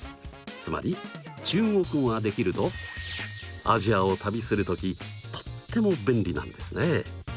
つまり中国語ができるとアジアを旅する時とっても便利なんですね！